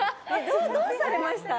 どうされました？